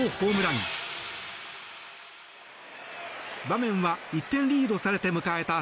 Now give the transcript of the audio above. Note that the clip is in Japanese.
場面は１点リードされて迎えた